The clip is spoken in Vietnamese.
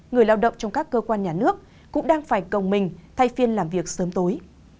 người lao động trong các cơ quan nhà nước cũng đang phải cầu mình thay phiên làm việc sớm tối